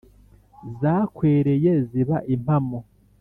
zakwereye ziba impamo.